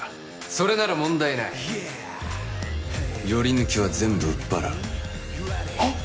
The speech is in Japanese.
それなら問題ないヨリヌキは全部売っ払うはっ？